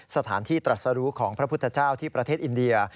สถานที่ตรัสรู้ของพระพุทธเจ้าที่ประเทศอินเดีย